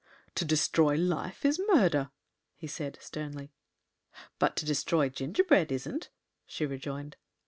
"To destroy life is murder?" he said, sternly. "But to destroy gingerbread isn't," she rejoined.